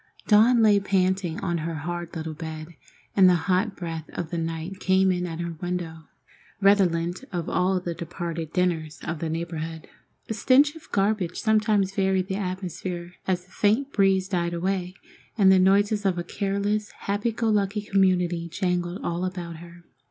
Dawn lay panting on her hard little bed, and the hot breath of the night came in at her window, redolent of all the departed dinners of the neighborhood. A stench of garbage sometimes varied the atmosphere as the faint breeze died away, and the noises of a careless, happy go lucky community jangled all about her.